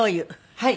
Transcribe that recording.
はい。